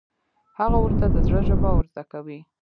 هغه ورته د زړه ژبه ور زده کوي.